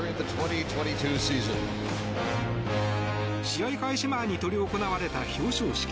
試合開始前に執り行われた表彰式。